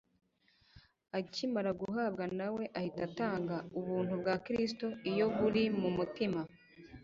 Akimara guhabwa, nawe ahita atanga. Ubuntu bwa Kristo iyo buri mu mutima,